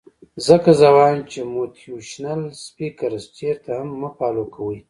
ځکه زۀ وائم چې موټيوېشنل سپيکرز چرته هم مۀ فالو کوئ